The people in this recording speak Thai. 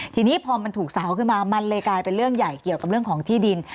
ทีนี้พอมันถูกสาวขึ้นมามันเลยกลายเป็นเรื่องใหญ่เกี่ยวกับเรื่องของที่ดิน